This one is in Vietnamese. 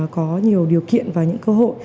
có nhiều điều kiện và những cơ hội